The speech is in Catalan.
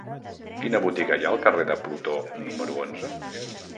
Quina botiga hi ha al carrer de Plutó número onze?